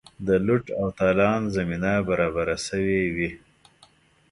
د لوټ او تالان زمینه برابره سوې وي.